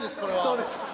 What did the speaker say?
そうです。